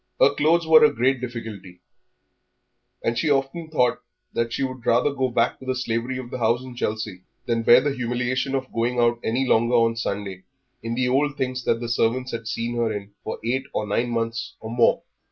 Her clothes were her great difficulty, and she often thought that she would rather go back to the slavery of the house in Chelsea than bear the humiliation of going out any longer on Sunday in the old things that the servants had seen her in for eight or nine months or more.